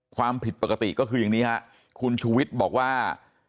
ความผิดปกติก็คืออย่างนี้ฮะคุณชูวิทย์บอกว่า